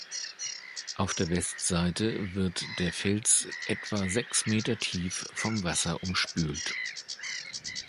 Auf der Westseite wird der Fels etwa sechs Meter tief vom Wasser umspült.